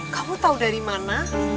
kamu tau dari mana